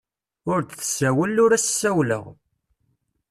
Ur d-tessawel, ur as-ssawleɣ.